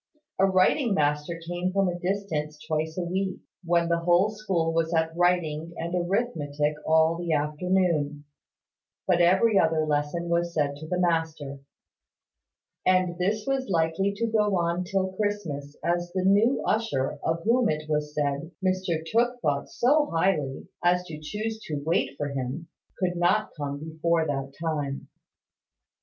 A writing master came from a distance twice a week, when the whole school was at writing and arithmetic all the afternoon: but every other lesson was said to the master; and this was likely to go on till Christmas, as the new usher, of whom, it was said, Mr Tooke thought so highly as to choose to wait for him, could not come before that time.